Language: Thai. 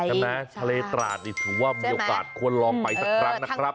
ใช่ไหมทะเลตราดนี่ถือว่ามีโอกาสควรลองไปสักครั้งนะครับ